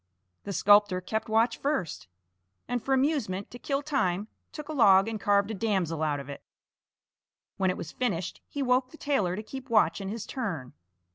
The sculptor kept watch first, and for amusement to kill time took a log and carved a damsel out of it. When it was finished, he woke the tailor to keep watch in his turn.